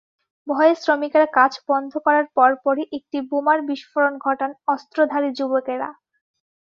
ভয়ে শ্রমিকেরা কাজ বন্ধ করার পরপরই একটি বোমার বিস্ফোরণ ঘটান অস্ত্রধারী যুবকেরা।